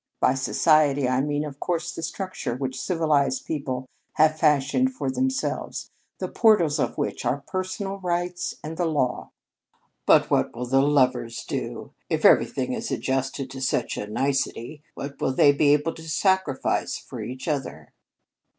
By society I mean, of course, the structure which civilized people have fashioned for themselves, the portals of which are personal rights and the law." "But what will all the lovers do? If everything is adjusted to such a nicety, what will they be able to sacrifice for each other?"